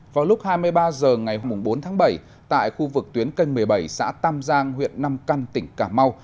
vào lúc hai mươi ba h ngày bốn tháng bảy tại khu vực tuyến kênh một mươi bảy xã tam giang huyện năm căn tỉnh cà mau